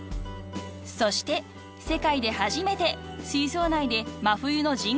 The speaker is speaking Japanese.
［そして世界で初めて水槽内で真冬の人工産卵に成功］